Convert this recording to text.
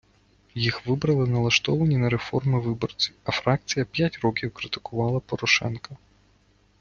Їх вибрали налаштовані на реформи виборці, а фракція п’ять років критикувала Порошенка.